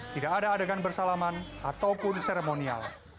tidak ada adegan bersalaman ataupun seremonial